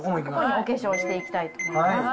お化粧していきたいと思います。